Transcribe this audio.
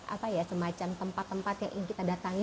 apa ya semacam tempat tempat yang ingin kita datangi